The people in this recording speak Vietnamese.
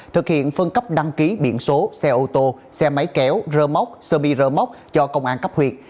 thực hiện phân cấp đăng ký biển số xe ô tô xe máy kéo rơ móc sơ mi rơ móc cho công an cấp huyện